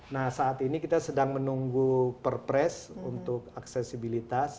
nah saat ini kita sedang menunggu perpres untuk aksesibilitas